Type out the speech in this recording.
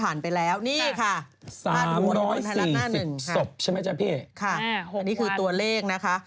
อันนี้คือตัวเลขนะคะ